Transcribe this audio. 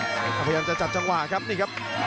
พยายามจะจัดจังหวะครับนี่ครับ